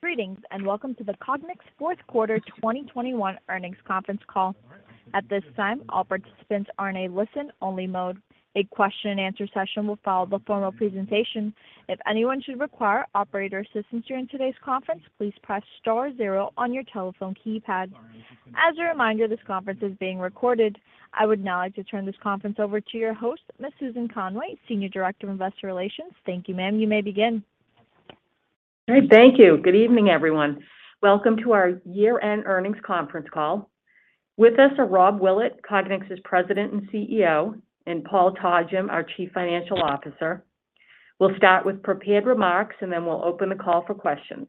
Greetings, and welcome to the Cognex fourth quarter 2021 earnings conference call. At this time, all participants are in a listen only mode. A question and answer session will follow the formal presentation. If anyone should require operator assistance during today's conference, please press star zero on your telephone keypad. As a reminder, this conference is being recorded. I would now like to turn this conference over to your host, Ms. Susan Conway, Senior Director of Investor Relations. Thank you, ma'am. You may begin. Great. Thank you. Good evening, everyone. Welcome to our year-end earnings conference call. With us are Rob Willett, Cognex's President and CEO, and Paul Todgham, our Chief Financial Officer. We'll start with prepared remarks, and then we'll open the call for questions.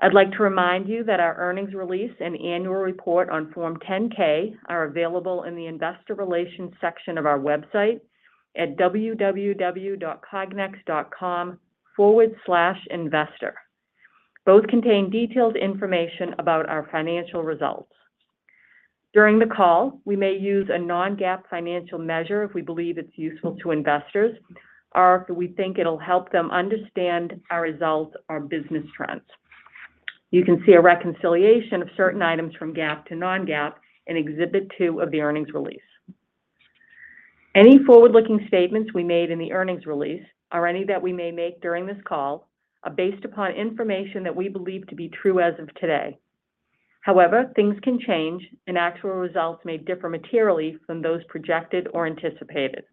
I'd like to remind you that our earnings release and annual report on Form 10-K are available in the investor relations section of our website at www.cognex.com/investor. Both contain detailed information about our financial results. During the call, we may use a non-GAAP financial measure if we believe it's useful to investors or if we think it'll help them understand our results or business trends. You can see a reconciliation of certain items from GAAP to non-GAAP in exhibit two of the earnings release. Any forward-looking statements we made in the earnings release or any that we may make during this call are based upon information that we believe to be true as of today. However, things can change and actual results may differ materially from those projected or anticipated.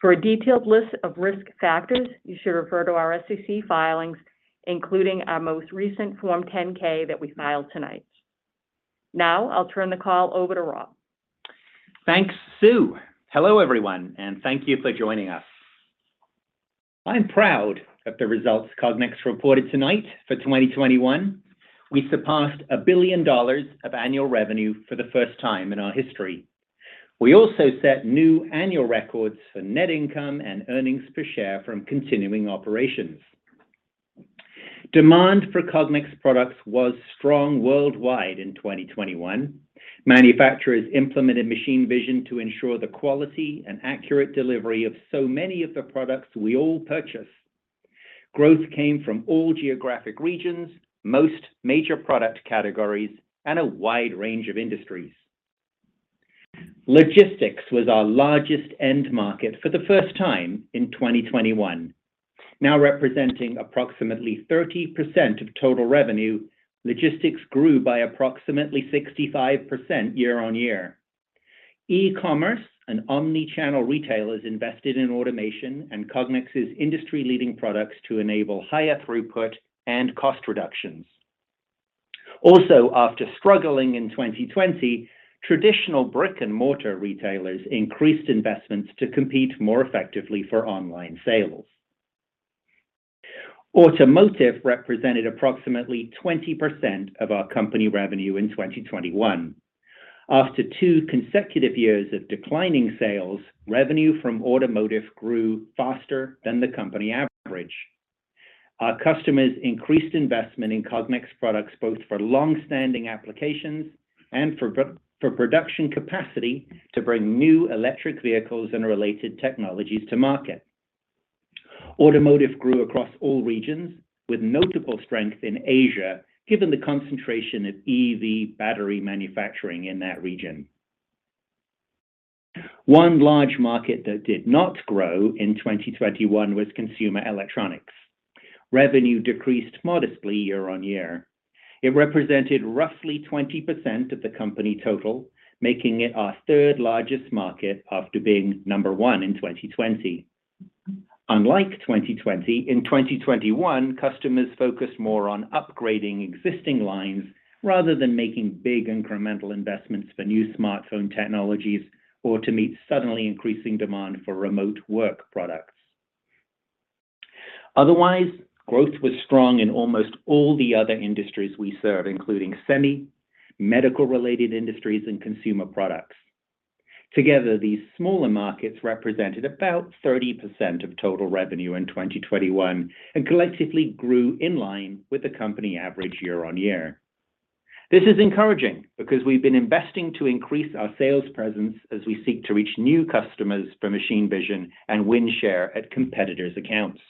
For a detailed list of risk factors, you should refer to our SEC filings, including our most recent Form 10-K that we filed tonight. Now I'll turn the call over to Rob. Thanks, Sue. Hello, everyone, and thank you for joining us. I'm proud of the results Cognex reported tonight for 2021. We surpassed $1 billion of annual revenue for the first time in our history. We also set new annual records for net income and earnings per share from continuing operations. Demand for Cognex products was strong worldwide in 2021. Manufacturers implemented machine vision to ensure the quality and accurate delivery of so many of the products we all purchase. Growth came from all geographic regions, most major product categories, and a wide range of industries. Logistics was our largest end market for the first time in 2021. Now representing approximately 30% of total revenue, logistics grew by approximately 65% year-over-year. E-commerce and omni-channel retailers invested in automation and Cognex's industry-leading products to enable higher throughput and cost reductions. Also, after struggling in 2020, traditional brick-and-mortar retailers increased investments to compete more effectively for online sales. Automotive represented approximately 20% of our company revenue in 2021. After two consecutive years of declining sales, revenue from automotive grew faster than the company average. Our customers increased investment in Cognex products both for long-standing applications and for production capacity to bring new electric vehicles and related technologies to market. Automotive grew across all regions with notable strength in Asia, given the concentration of EV battery manufacturing in that region. One large market that did not grow in 2021 was consumer electronics. Revenue decreased modestly year-over-year. It represented roughly 20% of the company total, making it our third largest market after being number one in 2020. Unlike 2020, in 2021, customers focused more on upgrading existing lines rather than making big incremental investments for new smartphone technologies or to meet suddenly increasing demand for remote work products. Otherwise, growth was strong in almost all the other industries we serve, including semi, medical-related industries and consumer products. Together, these smaller markets represented about 30% of total revenue in 2021 and collectively grew in line with the company average year-over-year. This is encouraging because we've been investing to increase our sales presence as we seek to reach new customers for machine vision and win share at competitors' accounts.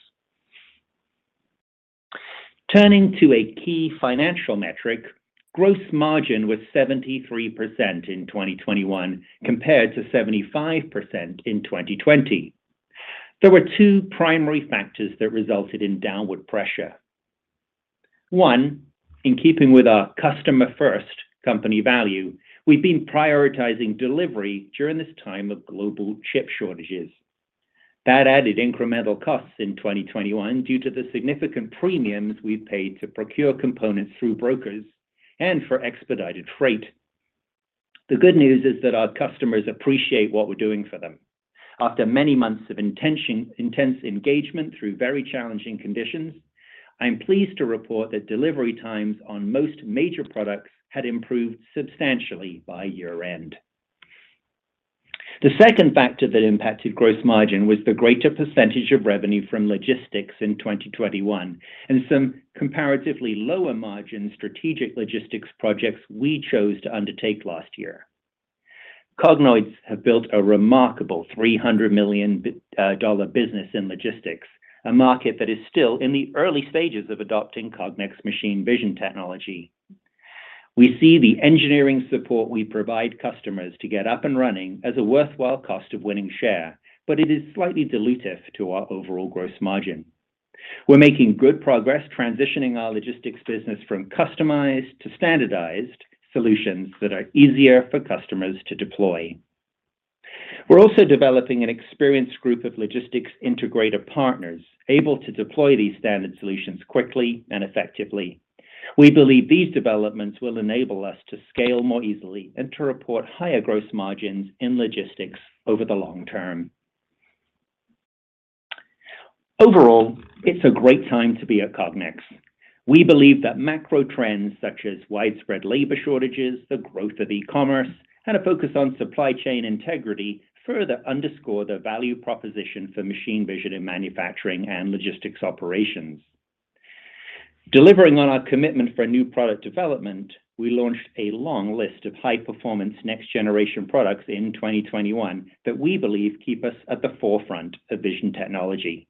Turning to a key financial metric, gross margin was 73% in 2021 compared to 75% in 2020. There were two primary factors that resulted in downward pressure. One, in keeping with our customer-first company value, we've been prioritizing delivery during this time of global chip shortages. That added incremental costs in 2021 due to the significant premiums we paid to procure components through brokers and for expedited freight. The good news is that our customers appreciate what we're doing for them. After many months of intense engagement through very challenging conditions, I am pleased to report that delivery times on most major products had improved substantially by year-end. The second factor that impacted gross margin was the greater percentage of revenue from logistics in 2021 and some comparatively lower margin strategic logistics projects we chose to undertake last year. Cognoids have built a remarkable $300 million business in logistics, a market that is still in the early stages of adopting Cognex machine vision technology. We see the engineering support we provide customers to get up and running as a worthwhile cost of winning share, but it is slightly dilutive to our overall gross margin. We're making good progress transitioning our logistics business from customized to standardized solutions that are easier for customers to deploy. We're also developing an experienced group of logistics integrator partners able to deploy these standard solutions quickly and effectively. We believe these developments will enable us to scale more easily and to report higher gross margins in logistics over the long term. Overall, it's a great time to be at Cognex. We believe that macro trends such as widespread labor shortages, the growth of e-commerce, and a focus on supply chain integrity further underscore the value proposition for machine vision in manufacturing and logistics operations. Delivering on our commitment for new product development, we launched a long list of high-performance next generation products in 2021 that we believe keep us at the forefront of vision technology.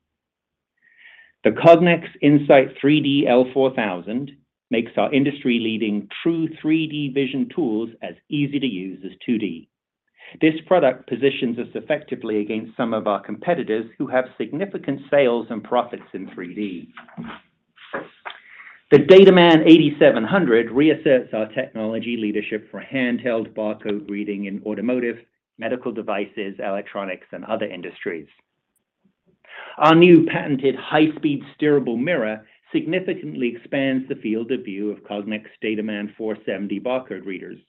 The Cognex In-Sight 3D-L4000 makes our industry leading true 3D vision tools as easy to use as 2D. This product positions us effectively against some of our competitors who have significant sales and profits in 3D. The DataMan 8700 reasserts our technology leadership for handheld barcode reading in automotive, medical devices, electronics, and other industries. Our new patented high-speed steerable mirror significantly expands the field of view of Cognex DataMan 470 barcode readers.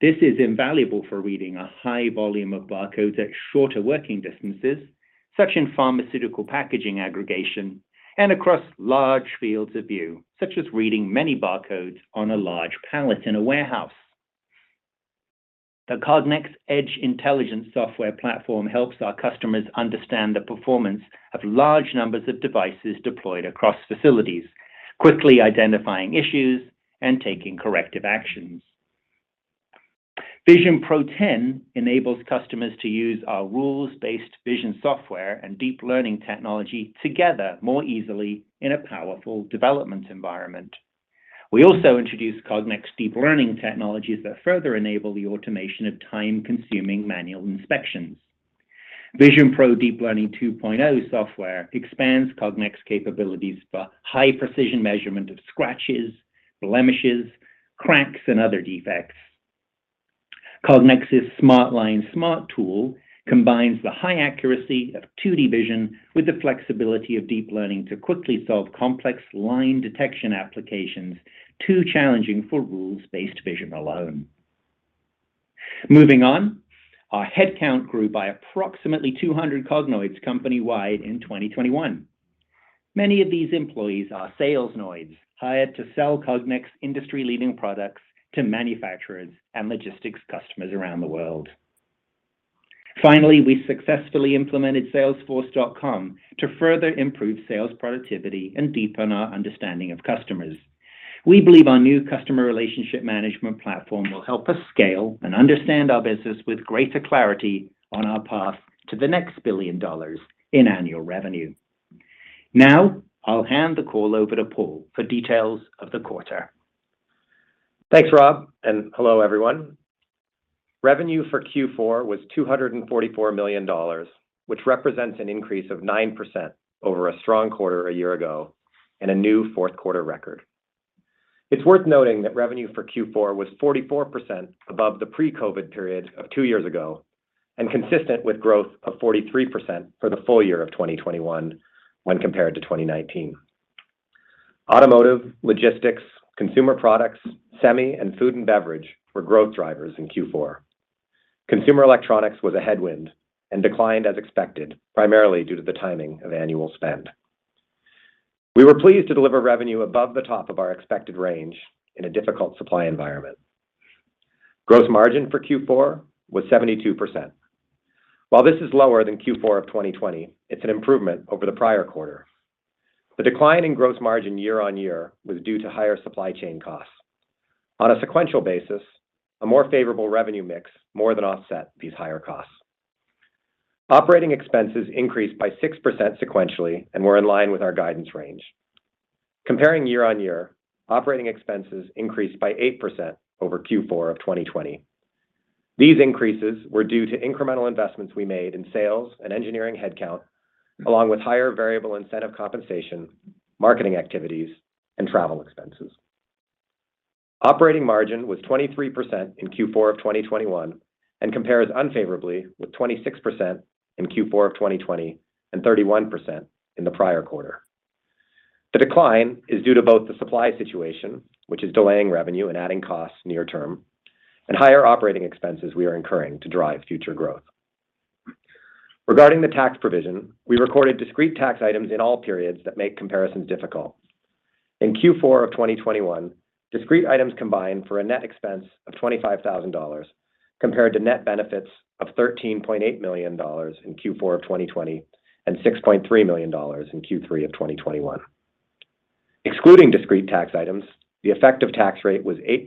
This is invaluable for reading a high volume of barcodes at shorter working distances, such as in pharmaceutical packaging aggregation and across large fields of view, such as reading many barcodes on a large pallet in a warehouse. The Cognex Edge Intelligence software platform helps our customers understand the performance of large numbers of devices deployed across facilities, quickly identifying issues and taking corrective actions. VisionPro 10.0 Enables customers to use our rules-based vision software and deep learning technology together more easily in a powerful development environment. We also introduced Cognex deep learning technologies that further enable the automation of time-consuming manual inspections. VisionPro Deep Learning 2.0 software expands Cognex capabilities for high precision measurement of scratches, blemishes, cracks, and other defects. Cognex's SmartLine Smart Tool combines the high accuracy of 2D vision with the flexibility of deep learning to quickly solve complex line detection applications too challenging for rules-based vision alone. Moving on, our headcount grew by approximately 200 Cognoids company-wide in 2021. Many of these employees are Salesnoids hired to sell Cognex industry-leading products to manufacturers and logistics customers around the world. Finally, we successfully implemented salesforce.com to further improve sales productivity and deepen our understanding of customers. We believe our new customer relationship management platform will help us scale and understand our business with greater clarity on our path to the next $1 billion in annual revenue. Now, I'll hand the call over to Paul for details of the quarter. Thanks, Rob, and hello, everyone. Revenue for Q4 was $244 million, which represents an increase of 9% over a strong quarter a year ago and a new fourth quarter record. It's worth noting that revenue for Q4 was 44% above the pre-COVID period of two years ago, and consistent with growth of 43% for the full year of 2021 when compared to 2019. Automotive, logistics, consumer products, semi, and food and beverage were growth drivers in Q4. Consumer electronics was a headwind and declined as expected, primarily due to the timing of annual spend. We were pleased to deliver revenue above the top of our expected range in a difficult supply environment. Gross margin for Q4 was 72%. While this is lower than Q4 of 2020, it's an improvement over the prior quarter. The decline in gross margin year-on-year was due to higher supply chain costs. On a sequential basis, a more favorable revenue mix more than offset these higher costs. Operating expenses increased by 6% sequentially and were in line with our guidance range. Comparing year-on-year, operating expenses increased by 8% over Q4 of 2020. These increases were due to incremental investments we made in sales and engineering headcount, along with higher variable incentive compensation, marketing activities, and travel expenses. Operating margin was 23% in Q4 of 2021 and compares unfavorably with 26% in Q4 of 2020 and 31% in the prior quarter. The decline is due to both the supply situation, which is delaying revenue and adding costs near term, and higher operating expenses we are incurring to drive future growth. Regarding the tax provision, we recorded discrete tax items in all periods that make comparisons difficult. In Q4 of 2021, discrete items combined for a net expense of $25,000 compared to net benefits of $13.8 million in Q4 of 2020 and $6.3 million in Q3 of 2021. Excluding discrete tax items, the effective tax rate was 8%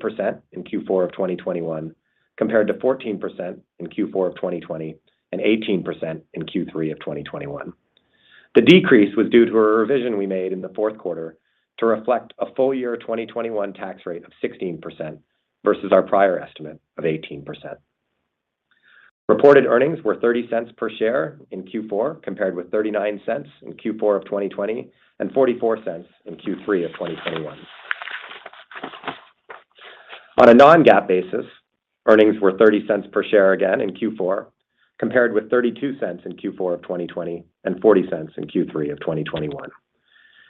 in Q4 of 2021, compared to 14% in Q4 of 2020, and 18% in Q3 of 2021. The decrease was due to a revision we made in the fourth quarter to reflect a full year 2021 tax rate of 16% versus our prior estimate of 18%. Reported earnings were $0.30 per share in Q4, compared with $0.39 in Q4 of 2020 and $0.44 in Q3 of 2021. On a non-GAAP basis, earnings were $0.30 per share again in Q4, compared with $0.32 in Q4 of 2020 and $0.40 in Q3 of 2021.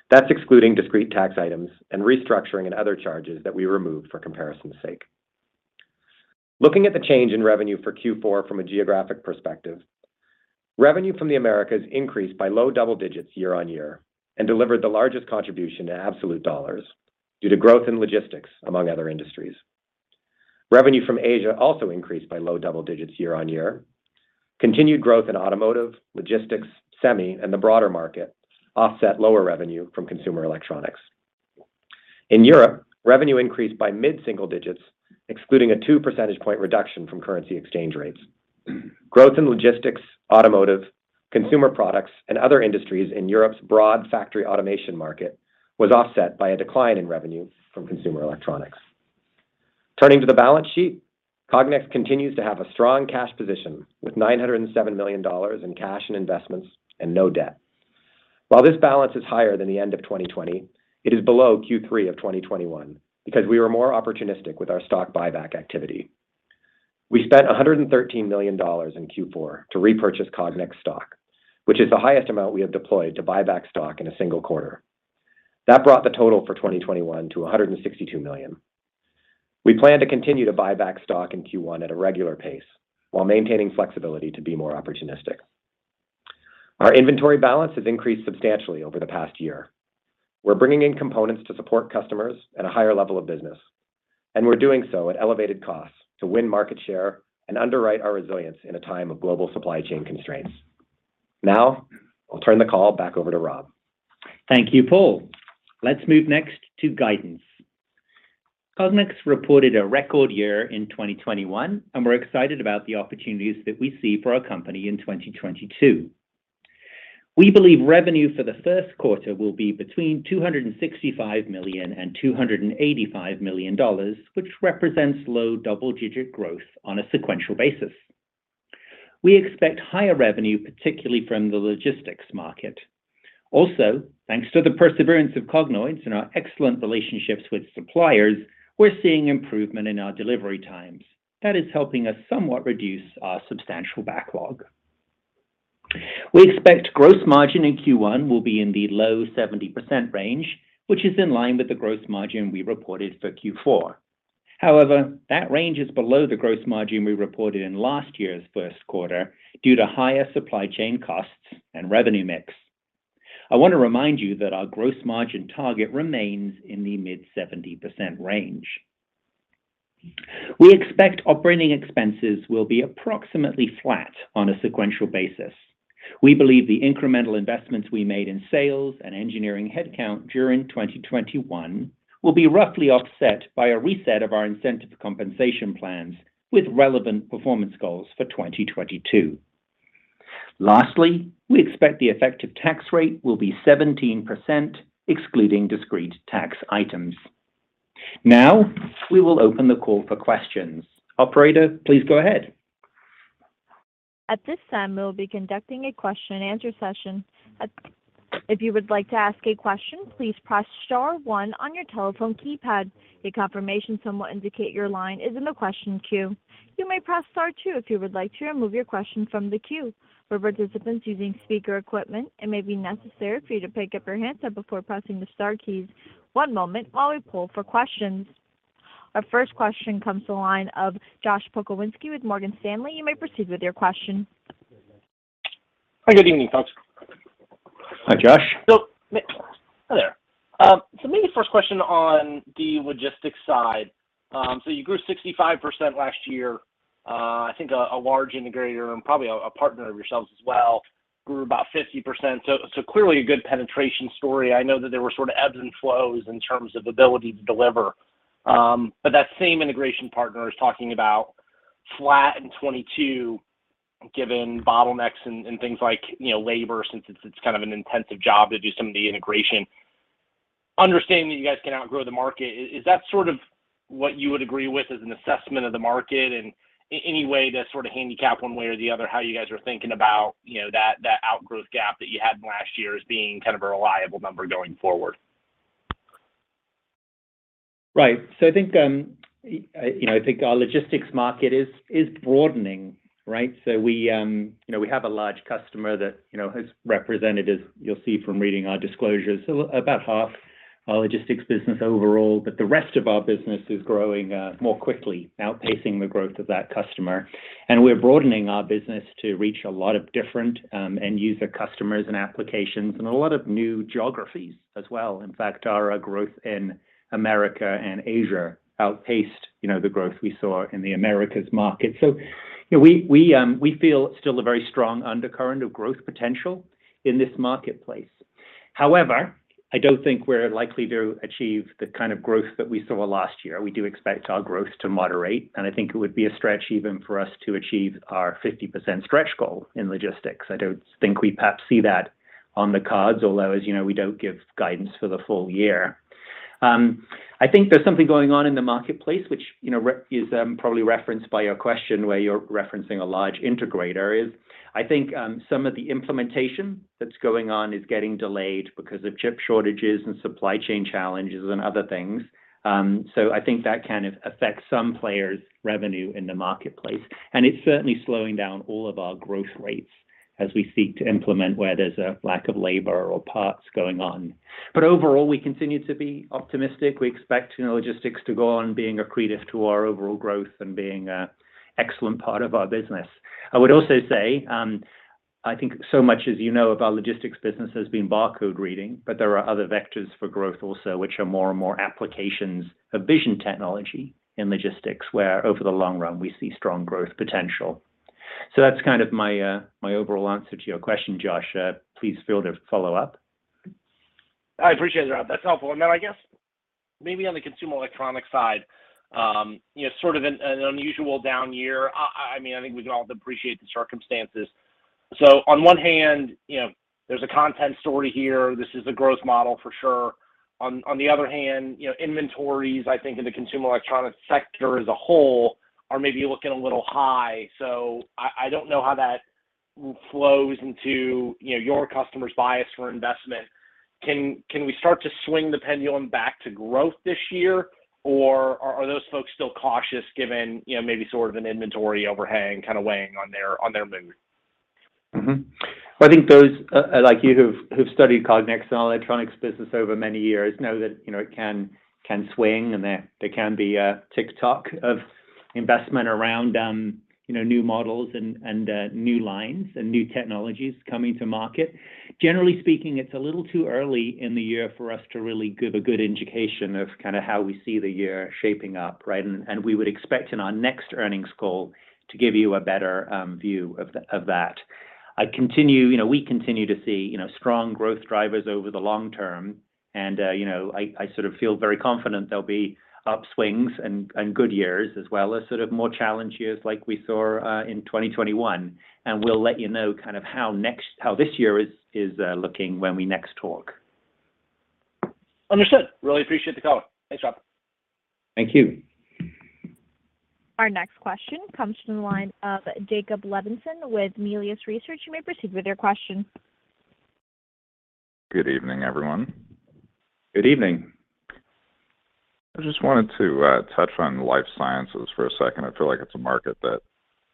That's excluding discrete tax items and restructuring and other charges that we removed for comparison's sake. Looking at the change in revenue for Q4 from a geographic perspective, revenue from the Americas increased by low double digits year on year and delivered the largest contribution in absolute dollars due to growth in logistics, among other industries. Revenue from Asia also increased by low double digits year on year. Continued growth in automotive, logistics, semi, and the broader market offset lower revenue from consumer electronics. In Europe, revenue increased by mid-single digits, excluding a 2 percentage point reduction from currency exchange rates. Growth in logistics, automotive, consumer products, and other industries in Europe's broad factory automation market was offset by a decline in revenue from consumer electronics. Turning to the balance sheet, Cognex continues to have a strong cash position with $907 million in cash and investments and no debt. While this balance is higher than the end of 2020, it is below Q3 of 2021 because we were more opportunistic with our stock buyback activity. We spent $113 million in Q4 to repurchase Cognex stock, which is the highest amount we have deployed to buy back stock in a single quarter. That brought the total for 2021 to $162 million. We plan to continue to buy back stock in Q1 at a regular pace while maintaining flexibility to be more opportunistic. Our inventory balance has increased substantially over the past year. We're bringing in components to support customers at a higher level of business, and we're doing so at elevated costs to win market share and underwrite our resilience in a time of global supply chain constraints. Now, I'll turn the call back over to Rob. Thank you, Paul. Let's move next to guidance. Cognex reported a record year in 2021, and we're excited about the opportunities that we see for our company in 2022. We believe revenue for the first quarter will be between $265 million and $285 million, which represents low double-digit growth on a sequential basis. We expect higher revenue, particularly from the logistics market. Also, thanks to the perseverance of Cognoids and our excellent relationships with suppliers, we're seeing improvement in our delivery times. That is helping us somewhat reduce our substantial backlog. We expect gross margin in Q1 will be in the low 70% range, which is in line with the gross margin we reported for Q4. However, that range is below the gross margin we reported in last year's first quarter due to higher supply chain costs and revenue mix. I want to remind you that our gross margin target remains in the mid-70% range. We expect operating expenses will be approximately flat on a sequential basis. We believe the incremental investments we made in sales and engineering headcount during 2021 will be roughly offset by a reset of our incentive compensation plans with relevant performance goals for 2022. Lastly, we expect the effective tax rate will be 17%, excluding discrete tax items. Now, we will open the call for questions. Operator, please go ahead. At this time, we will be conducting a question and answer session. If you would like to ask a question, please press star one on your telephone keypad. A confirmation tone will indicate your line is in the question queue. You may press star two if you would like to remove your question from the queue. For participants using speaker equipment, it may be necessary for you to pick up your handset before pressing the star keys. One moment while we poll for questions. Our first question comes to the line of Josh Pokrzywinski with Morgan Stanley. You may proceed with your question. Hi, good evening, folks. Hi, Josh. Hi there. Maybe first question on the logistics side. You grew 65% last year. I think a large integrator and probably a partner of yourselves as well grew about 50%. Clearly a good penetration story. I know that there were sort of ebbs and flows in terms of ability to deliver. But that same integration partner is talking about flat in 2022, given bottlenecks and things like, you know, labor since it's kind of an intensive job to do some of the integration. Understanding that you guys can outgrow the market, is that sort of what you would agree with as an assessment of the market? Any way to sort of handicap one way or the other how you guys are thinking about, you know, that outgrowth gap that you had last year as being kind of a reliable number going forward? Right. I think you know, I think our logistics market is broadening, right? We have a large customer that you know, has representatives. You'll see from reading our disclosures, so about half our logistics business overall. The rest of our business is growing more quickly, outpacing the growth of that customer. We're broadening our business to reach a lot of different end user customers and applications and a lot of new geographies as well. In fact, our growth in America and Asia outpaced you know, the growth we saw in the Americas market. You know, we feel still a very strong undercurrent of growth potential in this marketplace. However, I don't think we're likely to achieve the kind of growth that we saw last year. We do expect our growth to moderate, and I think it would be a stretch even for us to achieve our 50% stretch goal in logistics. I don't think we perhaps see that on the cards, although, as you know, we don't give guidance for the full year. I think there's something going on in the marketplace which, you know, is probably referenced by your question where you're referencing a large integrator. I think some of the implementation that's going on is getting delayed because of chip shortages and supply chain challenges and other things. I think that kind of affects some players' revenue in the marketplace, and it's certainly slowing down all of our growth rates as we seek to implement where there's a lack of labor or parts going on. Overall, we continue to be optimistic. We expect, you know, logistics to go on being accretive to our overall growth and being an excellent part of our business. I would also say, I think so much as you know of our logistics business has been barcode reading, but there are other vectors for growth also, which are more and more applications of vision technology in logistics, where over the long run we see strong growth potential. That's kind of my overall answer to your question, Josh. Please feel free to follow up. I appreciate it, Rob. That's helpful. Then I guess maybe on the consumer electronics side, you know, sort of an unusual down year. I mean, I think we can all appreciate the circumstances. On one hand, you know, there's a content story here. This is a growth model for sure. On the other hand, you know, inventories, I think in the consumer electronics sector as a whole are maybe looking a little high. I don't know how that flows into, you know, your customer's bias for investment. Can we start to swing the pendulum back to growth this year, or are those folks still cautious given, you know, maybe sort of an inventory overhang kind of weighing on their mood? Mm-hmm. Well, I think those like you've studied Cognex and electronics business over many years know that, you know, it can swing, and there can be an uptick of investment around, you know, new models and new lines and new technologies coming to market. Generally speaking, it's a little too early in the year for us to really give a good indication of kind of how we see the year shaping up, right? We would expect in our next earnings call to give you a better view of that. You know, we continue to see, you know, strong growth drivers over the long term, and, you know, I sort of feel very confident there'll be upswings and good years as well as sort of more challenge years like we saw in 2021, and we'll let you know kind of how this year is looking when we next talk. Understood. Really appreciate the color. Thanks, Rob. Thank you. Our next question comes from the line of Jacob Levinson with Melius Research. You may proceed with your question. Good evening, everyone. Good evening. I just wanted to touch on life sciences for a second. I feel like it's a market that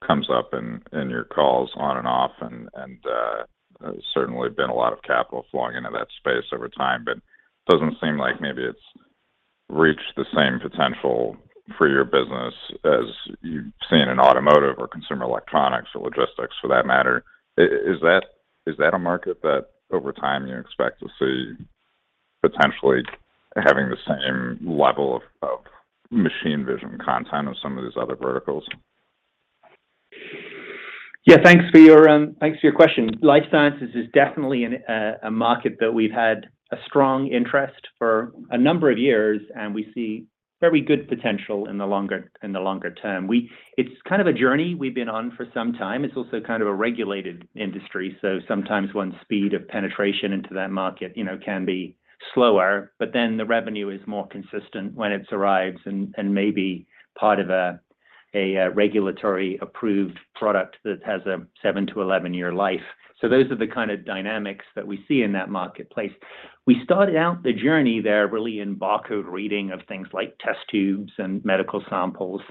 comes up in your calls on and off, and there's certainly been a lot of capital flowing into that space over time, but doesn't seem like maybe it's reached the same potential for your business as you've seen in automotive or consumer electronics or logistics for that matter. Is that a market that over time you expect to see potentially having the same level of machine vision content of some of these other verticals? Yeah, thanks for your question. Life sciences is definitely a market that we've had a strong interest for a number of years, and we see very good potential in the longer term. It's kind of a journey we've been on for some time. It's also kind of a regulated industry, so sometimes one speed of penetration into that market, you know, can be slower, but then the revenue is more consistent when it arrives and may be part of a regulatory approved product that has a seven to 11-year life. So those are the kind of dynamics that we see in that marketplace. We started out the journey there really in barcode reading of things like test tubes and medical samples,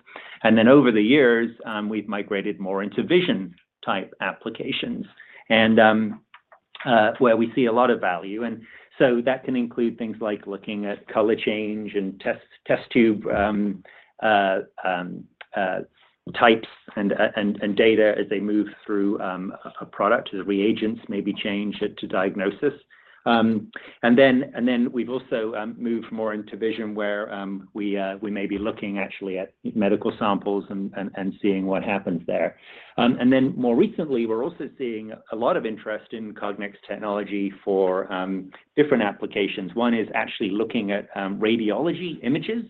and then over the years, we've migrated more into vision type applications and where we see a lot of value. That can include things like looking at color change and test tube types and data as they move through a product as reagents maybe change it to diagnosis. We've also moved more into vision where we may be looking actually at medical samples and seeing what happens there. More recently, we're also seeing a lot of interest in Cognex technology for different applications. One is actually looking at radiology images,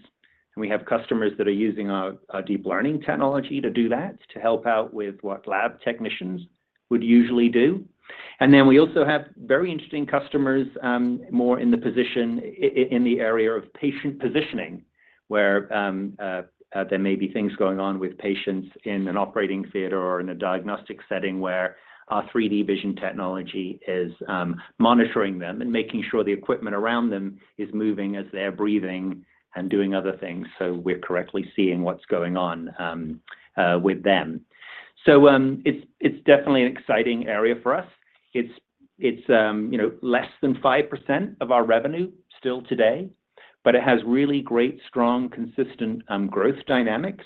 and we have customers that are using our deep learning technology to do that, to help out with what lab technicians would usually do. We also have very interesting customers more in the position in the area of patient positioning, where there may be things going on with patients in an operating theater or in a diagnostic setting where our 3D vision technology is monitoring them and making sure the equipment around them is moving as they're breathing and doing other things, so we're correctly seeing what's going on with them. It's you know, less than 5% of our revenue still today, but it has really great, strong, consistent growth dynamics.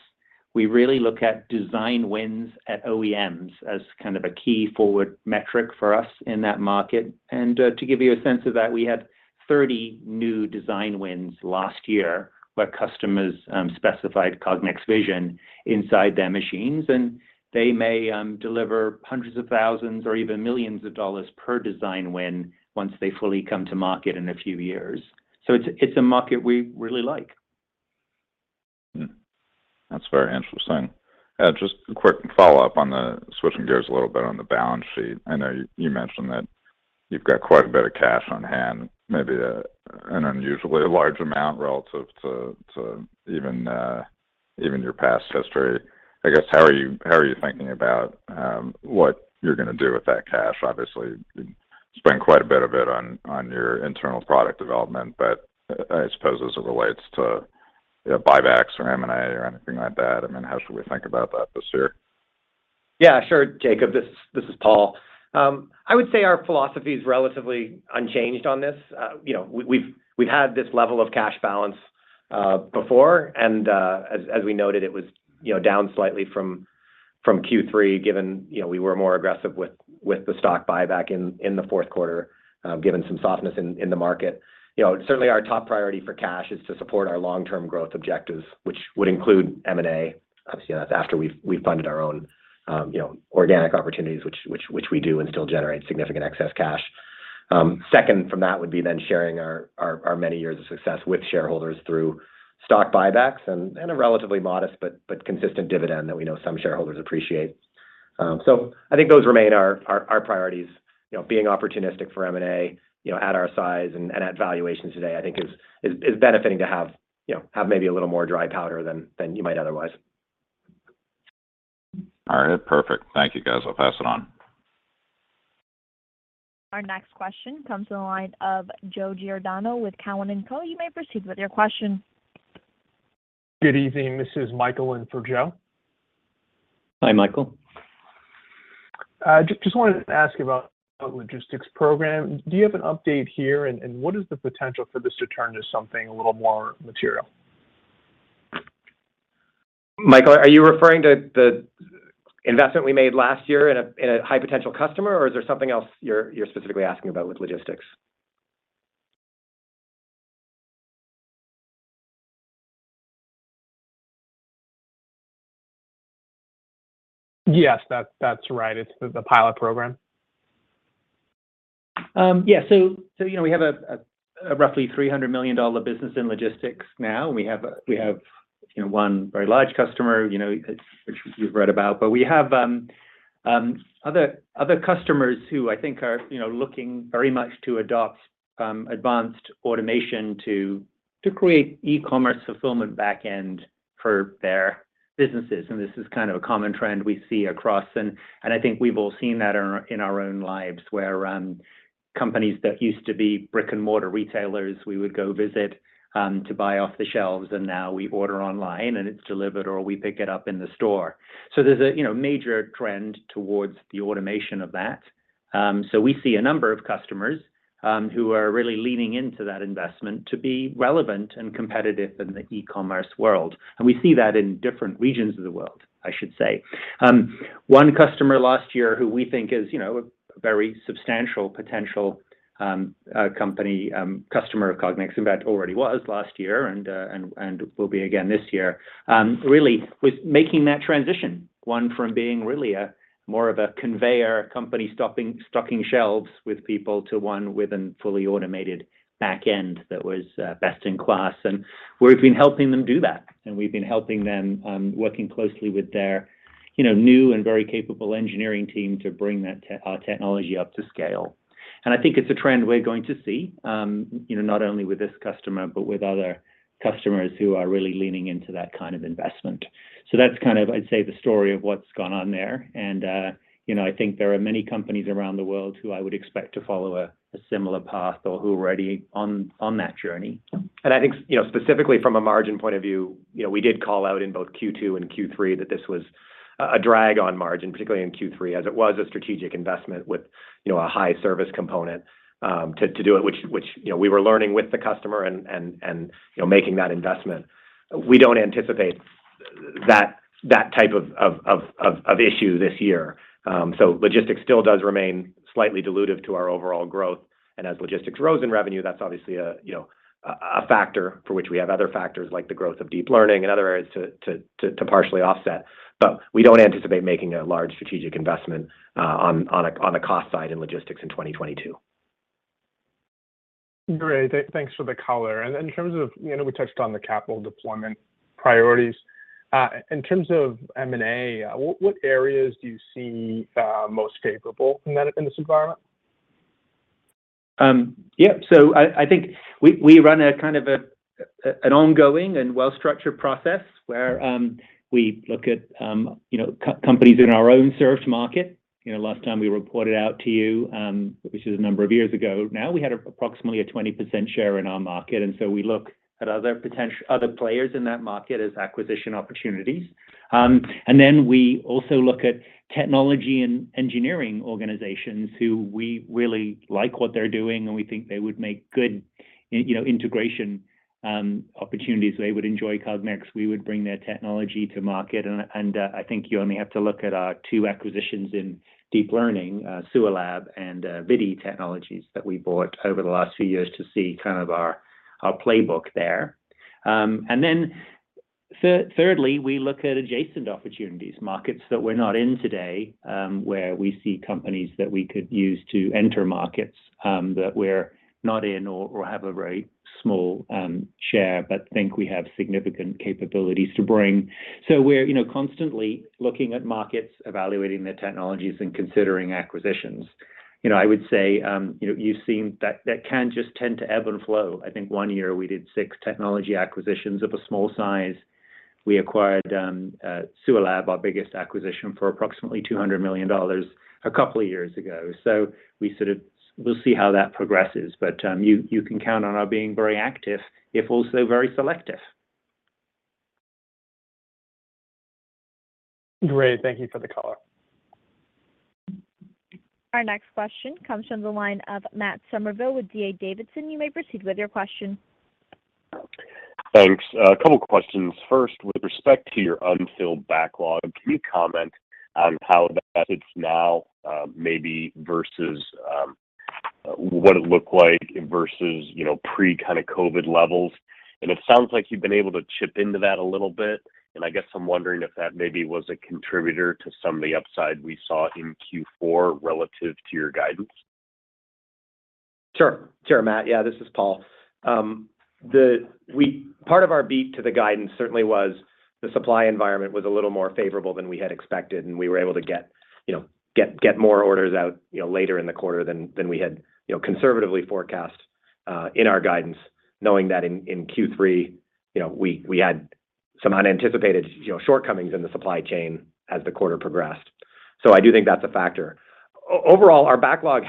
We really look at design wins at OEMs as kind of a key forward metric for us in that market. To give you a sense of that, we had 30 new design wins last year where customers specified Cognex vision inside their machines, and they may deliver hundreds of thousands or even millions of dollars per design win once they fully come to market in a few years. It's a market we really like. That's very interesting. Just a quick follow-up, switching gears a little bit on the balance sheet. I know you mentioned that you've got quite a bit of cash on hand, maybe an unusually large amount relative to even your past history. I guess, how are you thinking about what you're gonna do with that cash? Obviously, you spent quite a bit of it on your internal product development, but I suppose as it relates to, you know, buybacks or M&A or anything like that, I mean, how should we think about that this year? Yeah, sure, Jacob. This is Paul. I would say our philosophy is relatively unchanged on this. You know, we've had this level of cash balance before, and as we noted, it was down slightly from Q3, given we were more aggressive with the stock buyback in the fourth quarter, given some softness in the market. You know, certainly our top priority for cash is to support our long-term growth objectives, which would include M&A. Obviously, that's after we've funded our own organic opportunities, which we do and still generate significant excess cash. Second from that would be then sharing our many years of success with shareholders through stock buybacks and a relatively modest but consistent dividend that we know some shareholders appreciate. I think those remain our priorities. You know, being opportunistic for M&A, you know, at our size and at valuations today, I think is benefiting to have, you know, have maybe a little more dry powder than you might otherwise. All right. Perfect. Thank you, guys. I'll pass it on. Our next question comes from the line of Joe Giordano with Cowen and Company. You may proceed with your question. Good evening. This is Michael in for Joe. Hi, Michael. Just wanted to ask about logistics program. Do you have an update here, and what is the potential for this to turn to something a little more material? Michael, are you referring to the investment we made last year in a high potential customer, or is there something else you're specifically asking about with logistics? Yes. That's right. It's the pilot program. Yeah. You know, we have a roughly $300 million business in logistics now. We have you know, one very large customer, you know, which you've read about. We have other customers who I think are you know, looking very much to adopt advanced automation to create e-commerce fulfillment back-end for their businesses. This is kind of a common trend we see across, and I think we've all seen that in our own lives, where companies that used to be brick-and-mortar retailers, we would go visit to buy off the shelves, and now we order online, and it's delivered, or we pick it up in the store. There's a you know, major trend towards the automation of that. We see a number of customers who are really leaning into that investment to be relevant and competitive in the e-commerce world. We see that in different regions of the world, I should say. One customer last year who we think is, you know, a very substantial potential company customer of Cognex, in fact, already was last year and will be again this year really was making that transition from one being really more of a conventional company stocking shelves with people to one with a fully automated back end that was best in class. We've been helping them do that, and we've been helping them working closely with their, you know, new and very capable engineering team to bring our technology up to scale. I think it's a trend we're going to see, you know, not only with this customer, but with other customers who are really leaning into that kind of investment. That's kind of, I'd say, the story of what's gone on there. You know, I think there are many companies around the world who I would expect to follow a similar path or who are already on that journey. I think, you know, specifically from a margin point of view, you know, we did call out in both Q2 and Q3 that this was a drag on margin, particularly in Q3, as it was a strategic investment with, you know, a high service component to do it, which, you know, we were learning with the customer and, you know, making that investment. We don't anticipate that type of issue this year. Logistics still does remain slightly dilutive to our overall growth. As logistics grows in revenue, that's obviously, you know, a factor for which we have other factors like the growth of deep learning and other areas to partially offset. We don't anticipate making a large strategic investment on a cost side in logistics in 2022. Great. Thanks for the color. In terms of, you know, we touched on the capital deployment priorities. In terms of M&A, what areas do you see most capable in this environment? I think we run a kind of an ongoing and well-structured process where we look at you know companies in our own served market. You know, last time we reported out to you, which is a number of years ago now, we had approximately a 20% share in our market, and we look at other players in that market as acquisition opportunities. We also look at technology and engineering organizations who we really like what they're doing, and we think they would make good you know integration opportunities. They would enjoy Cognex. We would bring their technology to market. I think you only have to look at our two acquisitions in deep learning, SUALAB and ViDi Systems, that we bought over the last few years to see kind of our playbook there. Thirdly, we look at adjacent opportunities, markets that we're not in today, where we see companies that we could use to enter markets that we're not in or have a very small share, but think we have significant capabilities to bring. We're constantly looking at markets, evaluating their technologies, and considering acquisitions. You know, I would say, you know, you've seen that that can just tend to ebb and flow. I think one year we did six technology acquisitions of a small size. We acquired SUALAB, our biggest acquisition, for approximately $200 million a couple of years ago. We'll see how that progresses. You can count on our being very active, if also very selective. Great. Thank you for the color. Our next question comes from the line of Matt Summerville with D.A. Davidson. You may proceed with your question. Thanks. A couple questions. First, with respect to your unfilled backlog, can you comment on how that sits now, maybe versus what it looked like versus, you know, pre kind of COVID levels? It sounds like you've been able to chip into that a little bit, and I guess I'm wondering if that maybe was a contributor to some of the upside we saw in Q4 relative to your guidance. Sure. Sure, Matt. Yeah, this is Paul. Part of our beat to the guidance certainly was the supply environment was a little more favorable than we had expected, and we were able to get you know more orders out you know later in the quarter than we had you know conservatively forecast in our guidance, knowing that in Q3 you know we had some unanticipated you know shortcomings in the supply chain as the quarter progressed. I do think that's a factor. Overall, our backlog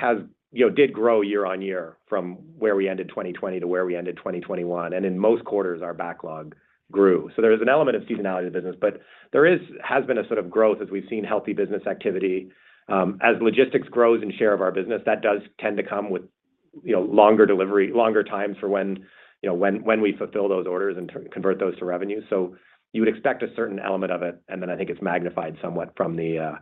did grow year-over-year from where we ended 2020 to where we ended 2021, and in most quarters our backlog grew. There is an element of seasonality to business, but there has been a sort of growth as we've seen healthy business activity. As logistics grows in share of our business, that does tend to come with, you know, longer delivery, longer times for when we fulfill those orders and convert those to revenue. You would expect a certain element of it, and then I think it's magnified somewhat from the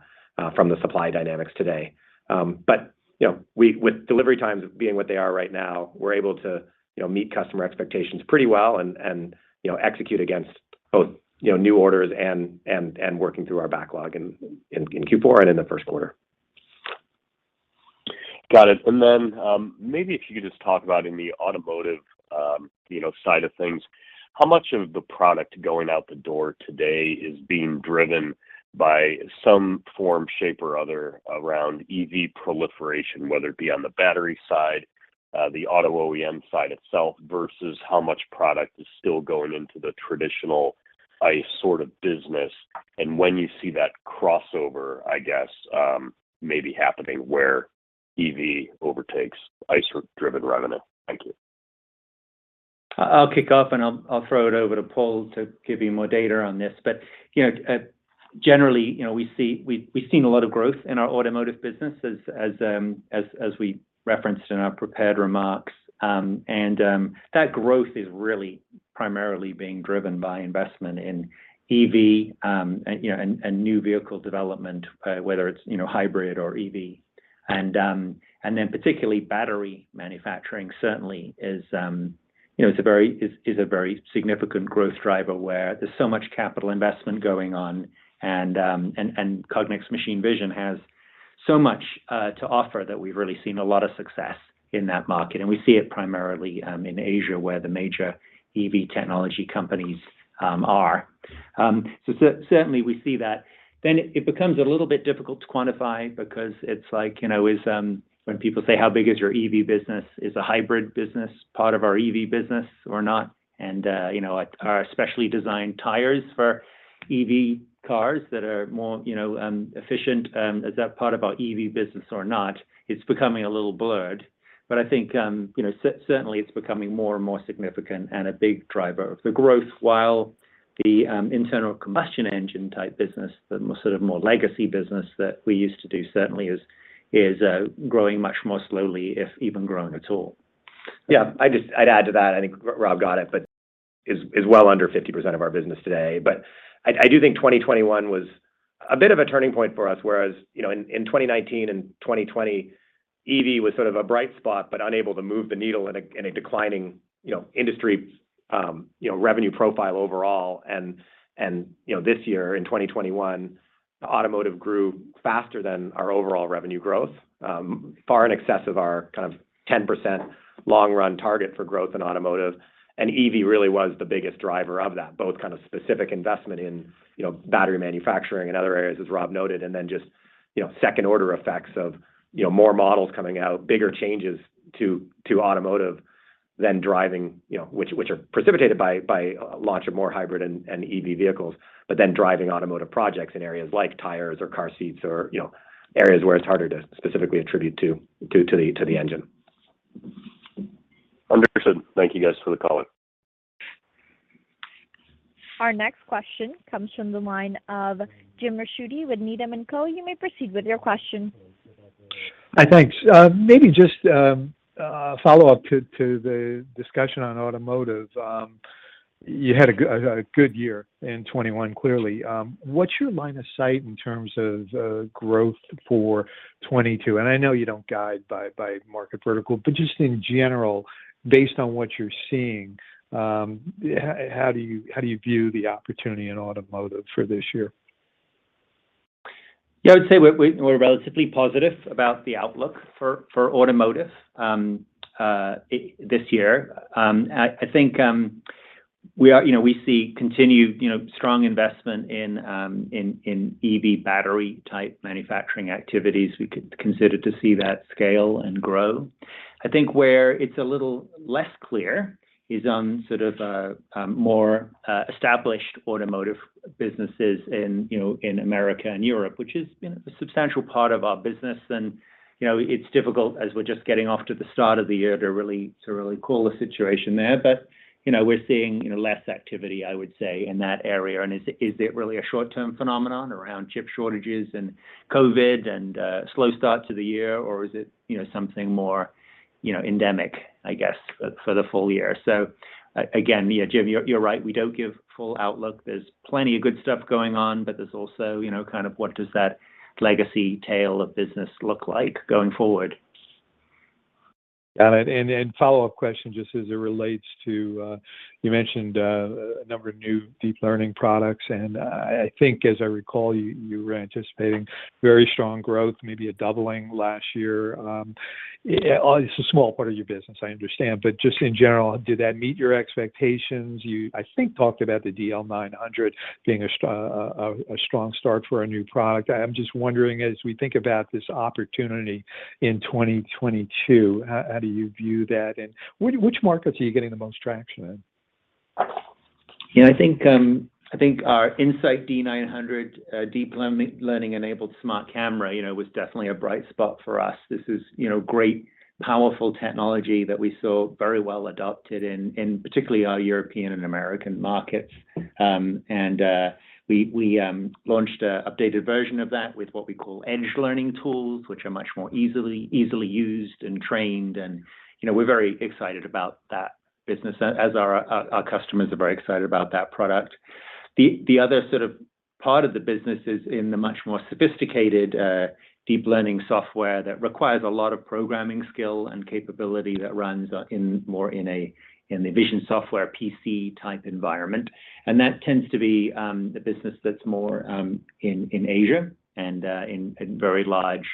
supply dynamics today. With delivery times being what they are right now, we're able to, you know, meet customer expectations pretty well and execute against both new orders and working through our backlog in Q4 and in the first quarter. Got it. Maybe if you could just talk about in the automotive, you know, side of things, how much of the product going out the door today is being driven by some form, shape or other around EV proliferation, whether it be on the battery side, the auto OEM side itself, versus how much product is still going into the traditional ICE sort of business, and when you see that crossover, I guess, maybe happening where EV overtakes ICE-driven revenue? Thank you. I'll kick off and I'll throw it over to Paul to give you more data on this. You know, generally, you know, we've seen a lot of growth in our automotive business as we referenced in our prepared remarks. That growth is really primarily being driven by investment in EV and you know and new vehicle development whether it's you know hybrid or EV. And then particularly battery manufacturing certainly is you know a very significant growth driver where there's so much capital investment going on and Cognex machine vision has so much to offer that we've really seen a lot of success in that market. We see it primarily in Asia, where the major EV technology companies are. Certainly we see that. It becomes a little bit difficult to quantify because it's like, you know, when people say how big is your EV business? Is the hybrid business part of our EV business or not? You know, are specially designed tires for EV cars that are more, you know, efficient, is that part of our EV business or not? It's becoming a little blurred. I think, you know, certainly it's becoming more and more significant and a big driver of the growth, while the internal combustion engine type business, sort of more legacy business that we used to do certainly is growing much more slowly, if even growing at all. Yeah. I'd add to that, I think Rob got it, but is well under 50% of our business today. I do think 2021 was a bit of a turning point for us, whereas you know, in 2019 and 2020, EV was sort of a bright spot, but unable to move the needle in a declining you know, industry revenue profile overall. You know, this year in 2021, automotive grew faster than our overall revenue growth, far in excess of our kind of 10% long run target for growth in automotive. EV really was the biggest driver of that, both kind of specific investment in, you know, battery manufacturing and other areas, as Rob noted, and then just, you know, second order effects of, you know, more models coming out, bigger changes to automotive and driving, you know, which are precipitated by launch of more hybrid and EV vehicles, but then driving automotive projects in areas like tires or car seats or, you know, areas where it's harder to specifically attribute to the engine. Understood. Thank you guys for the color. Our next question comes from the line of Jim Ricchiuti with Needham & Co. You may proceed with your question. Hi, thanks. Maybe just a follow-up to the discussion on automotive. You had a good year in 2021, clearly. What's your line of sight in terms of growth for 2022? I know you don't guide by market vertical, but just in general, based on what you're seeing, how do you view the opportunity in automotive for this year? Yeah, I would say we're relatively positive about the outlook for automotive this year. I think you know, we see continued you know, strong investment in EV battery type manufacturing activities we could consider to see that scale and grow. I think where it's a little less clear is on sort of more established automotive businesses in you know, in America and Europe, which is you know, a substantial part of our business. You know, it's difficult as we're just getting off to the start of the year to really call a situation there. You know, we're seeing you know, less activity, I would say, in that area. Is it really a short-term phenomenon around chip shortages and COVID and slow start to the year? Is it, you know, something more, you know, endemic, I guess, for the full year? Again, yeah, Jim, you're right. We don't give full outlook. There's plenty of good stuff going on, but there's also, you know, kind of what does that legacy tail of business look like going forward. Got it. Follow-up question, just as it relates to, you mentioned a number of new deep learning products. I think as I recall, you were anticipating very strong growth, maybe a doubling last year. Yeah, obviously it's a small part of your business, I understand. Just in general, did that meet your expectations? You, I think, talked about the DL900 being a strong start for a new product. I'm just wondering, as we think about this opportunity in 2022, how do you view that? Which markets are you getting the most traction in? Yeah, I think our In-Sight D900 deep learning enabled smart camera, you know, was definitely a bright spot for us. This is, you know, great, powerful technology that we saw very well adopted in particularly our European and American markets. We launched an updated version of that with what we call edge learning tools, which are much more easily used and trained. You know, we're very excited about that business as our customers are very excited about that product. The other sort of part of the business is in the much more sophisticated deep learning software that requires a lot of programming skill and capability that runs in more in a in the vision software PC type environment. That tends to be the business that's more in Asia and in very large,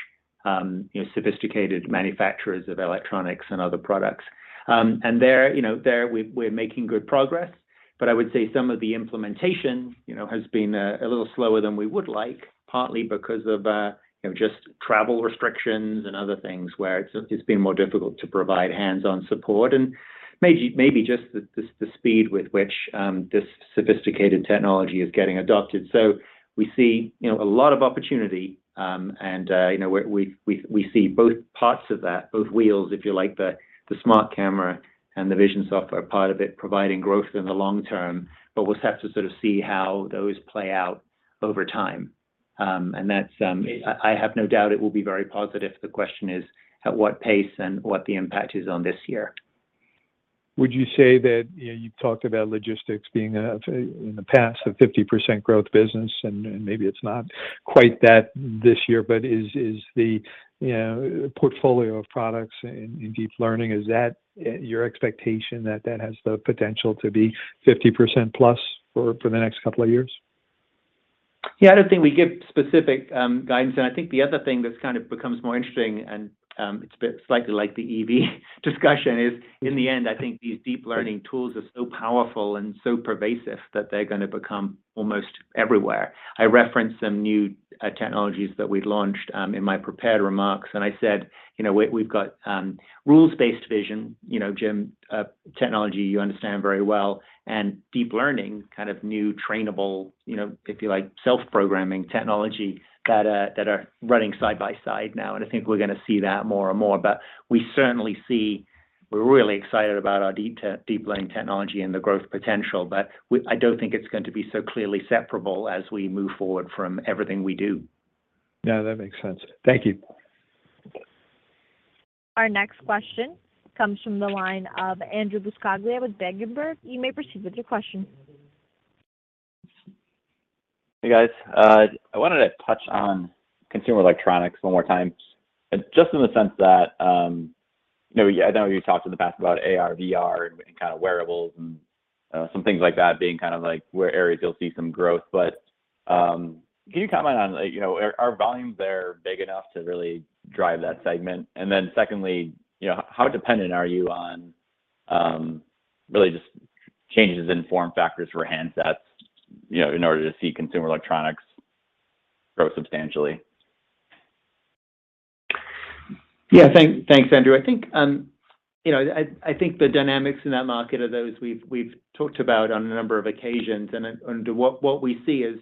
you know, sophisticated manufacturers of electronics and other products. There, you know, we're making good progress. But I would say some of the implementation, you know, has been a little slower than we would like, partly because of, you know, just travel restrictions and other things where it's been more difficult to provide hands-on support, and maybe just the speed with which this sophisticated technology is getting adopted. We see, you know, a lot of opportunity, you know, we see both parts of that, both wheels, if you like, the smart camera and the vision software part of it providing growth in the long term. We'll have to sort of see how those play out over time. I have no doubt it will be very positive. The question is at what pace and what the impact is on this year. Would you say that, you know, you talked about logistics being a, in the past, a 50% growth business, and maybe it's not quite that this year. Is the, you know, portfolio of products in deep learning your expectation that that has the potential to be 50%+ for the next couple of years? Yeah, I don't think we give specific guidance. I think the other thing that's kind of becomes more interesting, and it's a bit slightly like the EV discussion, is in the end, I think these deep learning tools are so powerful and so pervasive that they're gonna become almost everywhere. I referenced some new technologies that we launched in my prepared remarks, and I said, you know, we've got rules-based vision, you know, Jim, technology you understand very well, and deep learning, kind of new trainable, you know, if you like, self-programming technology that are running side by side now. I think we're gonna see that more and more. We certainly see we're really excited about our deep learning technology and the growth potential. I don't think it's going to be so clearly separable as we move forward from everything we do. No, that makes sense. Thank you. Our next question comes from the line of Andrew Buscaglia with Berenberg. You may proceed with your question. Hey, guys. I wanted to touch on consumer electronics one more time, just in the sense that, you know, I know you talked in the past about AR/VR and kind of wearables and some things like that being kind of like where areas you'll see some growth. Can you comment on, you know, are volumes there big enough to really drive that segment? And then secondly, you know, how dependent are you on really just changes in form factors for handsets, you know, in order to see consumer electronics grow substantially? Yeah. Thanks, Andrew. I think the dynamics in that market are those we've talked about on a number of occasions. What we see is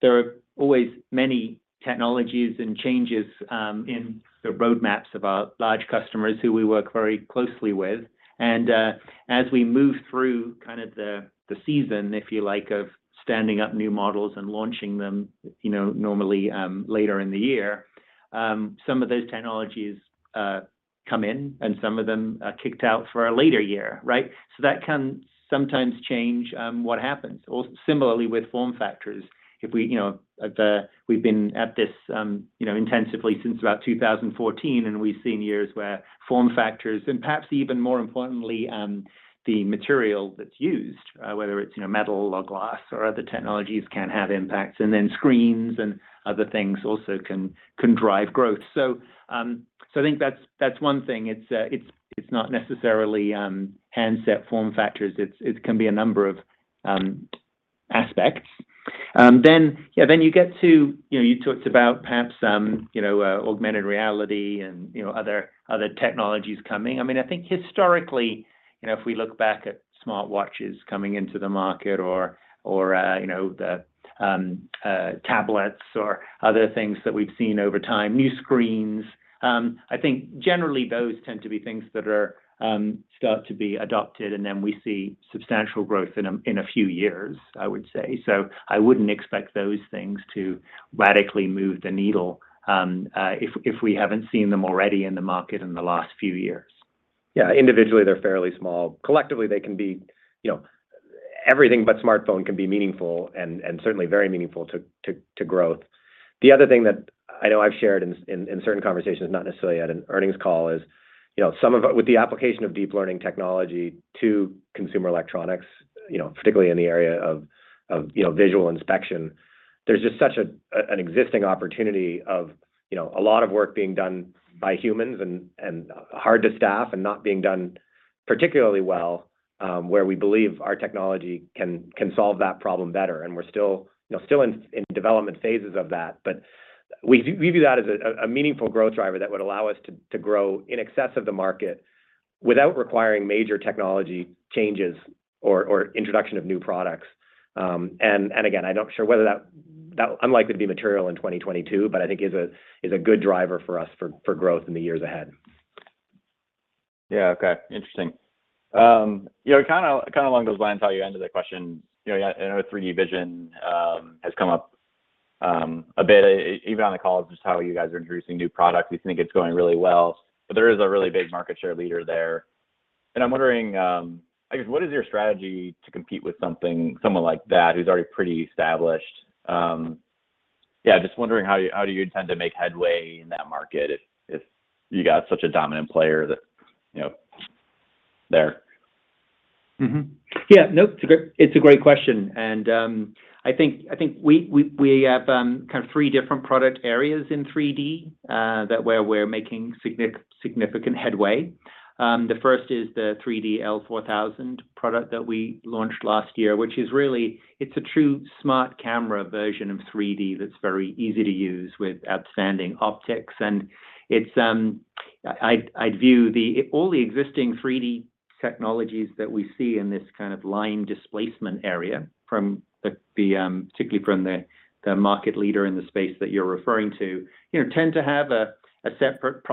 there are always many technologies and changes in the roadmaps of our large customers who we work very closely with. As we move through kind of the season, if you like, of standing up new models and launching them, you know, normally later in the year, some of those technologies come in, and some of them are kicked out for a later year, right? That can sometimes change what happens. Also similarly with form factors. We've been at this, you know, intensively since about 2014, and we've seen years where form factors and perhaps even more importantly, the material that's used, whether it's, you know, metal or glass or other technologies can have impacts, and then screens and other things also can drive growth. I think that's one thing. It's not necessarily handset form factors. It can be a number of aspects. You get to, you know, you talked about perhaps, you know, augmented reality and, you know, other technologies coming. I mean, I think historically, you know, if we look back at smartwatches coming into the market or you know, the tablets or other things that we've seen over time, new screens, I think generally those tend to be things that start to be adopted, and then we see substantial growth in a few years, I would say. I wouldn't expect those things to radically move the needle, if we haven't seen them already in the market in the last few years. Yeah. Individually, they're fairly small. Collectively, they can be, you know, everything but smartphone can be meaningful and certainly very meaningful to growth. The other thing that I know I've shared in certain conversations, not necessarily at an earnings call is, you know, with the application of deep learning technology to consumer electronics, you know, particularly in the area of visual inspection, there's just such an existing opportunity of, you know, a lot of work being done by humans and hard to staff and not being done particularly well, where we believe our technology can solve that problem better, and we're still in development phases of that. We do, we view that as a meaningful growth driver that would allow us to grow in excess of the market without requiring major technology changes or introduction of new products. And again, I'm not sure whether that is unlikely to be material in 2022, but I think it is a good driver for us for growth in the years ahead. Yeah. Okay. Interesting. You know, kind of along those lines, how you ended that question, you know, I know 3D vision has come up a bit, even on the call, just how you guys are introducing new products. We think it's going really well, but there is a really big market share leader there. I'm wondering, I guess, what is your strategy to compete with something, someone like that who's already pretty established? Yeah, just wondering how do you intend to make headway in that market if you got such a dominant player that, you know, there? Mm-hmm. Yeah. No, it's a great question. I think we have kind of three different product areas in 3D where we're making significant headway. The first is the 3D L4000 product that we launched last year, which is really a true smart camera version of 3D that's very easy to use with outstanding optics. It's, I'd view all the existing 3D technologies that we see in this kind of laser displacement area from the, particularly from the market leader in the space that you're referring to, you know, tend to have a separate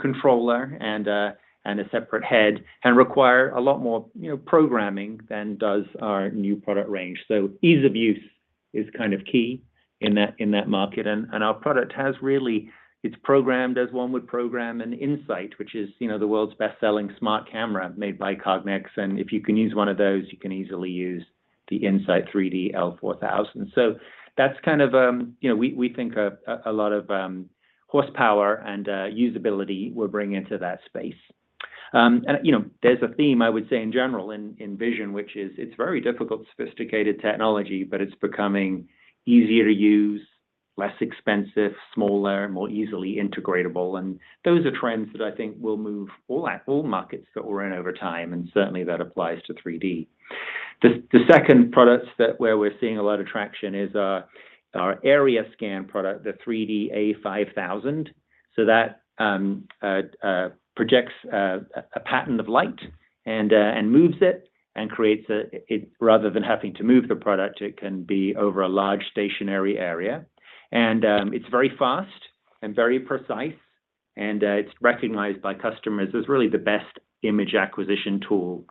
controller and a separate head and require a lot more, you know, programming than does our new product range. Ease of use is kind of key in that market. Our product has really, it's programmed as one would program an In-Sight, which is, you know, the world's best-selling smart camera made by Cognex. If you can use one of those, you can easily use the In-Sight 3D-L4000. That's kind of, you know, we think a lot of horsepower and usability we're bringing to that space. You know, there's a theme I would say in general in vision, which is it's very difficult, sophisticated technology, but it's becoming easier to use, less expensive, smaller, more easily integratable. Those are trends that I think will move all markets that we're in over time, and certainly that applies to 3D. The second products that we're seeing a lot of traction is our area scan product, the 3D-A5000. That projects a pattern of light and moves it and creates it rather than having to move the product, it can be over a large stationary area. It's very fast and very precise, and it's recognized by customers as really the best image acquisition tool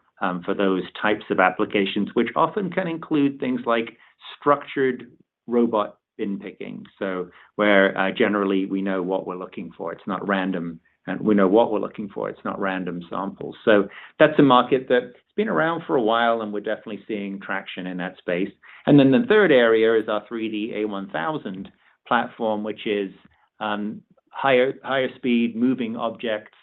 for those types of applications, which often can include things like structured robot bin picking where generally we know what we're looking for. It's not random samples. That's a market that's been around for a while, and we're definitely seeing traction in that space. The third area is our 3D-A1000 platform, which is higher speed moving objects,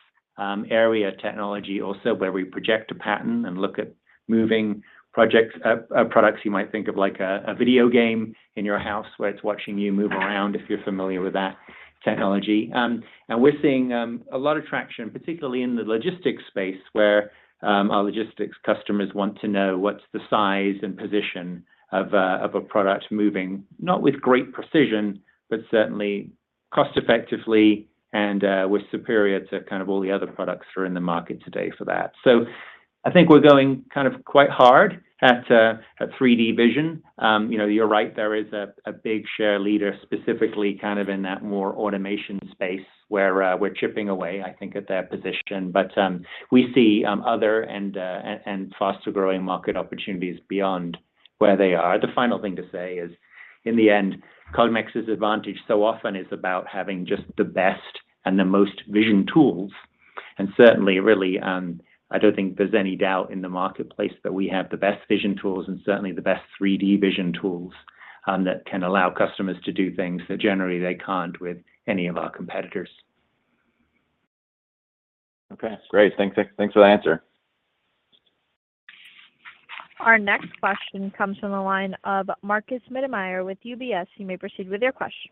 area technology also where we project a pattern and look at moving products you might think of like a video game in your house where it's watching you move around if you're familiar with that technology. We're seeing a lot of traction, particularly in the logistics space where our logistics customers want to know what's the size and position of a product moving, not with great precision, but certainly cost effectively and with superior to kind of all the other products that are in the market today for that. I think we're going kind of quite hard at 3D vision. You know, you're right, there is a big share leader specifically kind of in that more automation space where we're chipping away, I think at that position. We see other and faster growing market opportunities beyond where they are. The final thing to say is, in the end, Cognex's advantage so often is about having just the best and the most vision tools. Certainly really, I don't think there's any doubt in the marketplace that we have the best vision tools and certainly the best 3D vision tools that can allow customers to do things that generally they can't with any of our competitors. Okay, great. Thanks for the answer. Our next question comes from the line of Markus Mittermaier with UBS. You may proceed with your question.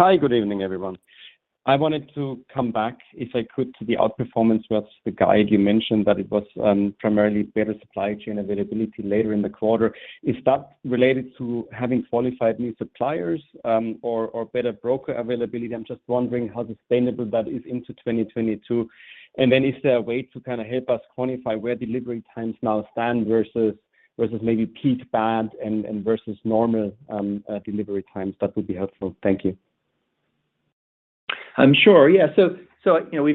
Hi, good evening, everyone. I wanted to come back, if I could, to the outperformance versus the guide. You mentioned that it was primarily better supply chain availability later in the quarter. Is that related to having qualified new suppliers, or better broker availability? I'm just wondering how sustainable that is into 2022. Is there a way to kinda help us quantify where delivery times now stand versus maybe peak bad and versus normal delivery times? That would be helpful. Thank you. Sure. Yeah. You know,